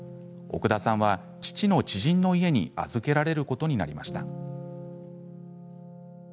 奥田さんは、父の知人の家に預けられることになりました。